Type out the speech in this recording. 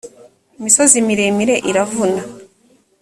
imisozi miremire iravuna.